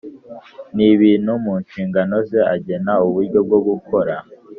n ibintu mu nshingano ze agena uburyo bwo gukora